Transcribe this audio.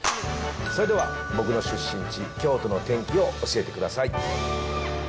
それでは僕の出身地、京都の天気を教えてください。